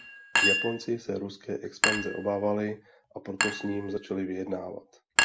Japonci se ruské expanze obávali a proto s ním začali vyjednávat.